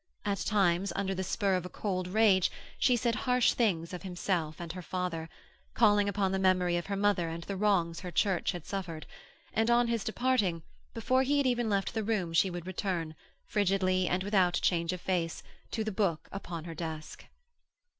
At times, under the spur of a cold rage, she said harsh things of himself and her father, calling upon the memory of her mother and the wrongs her Church had suffered and, on his departing, before he had even left the room she would return, frigidly and without change of face, to the book upon her desk.